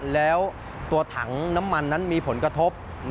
แล้วตัวถังน้ำมันนั้นมีผลกระทบ